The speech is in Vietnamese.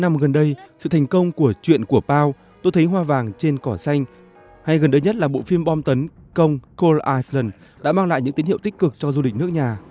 năm gần đây sự thành công của chuyện của pau tôi thấy hoa vàng trên cỏ xanh hay gần đây nhất là bộ phim bom tấn công cold iceland đã mang lại những tín hiệu tích cực cho du lịch nước nhà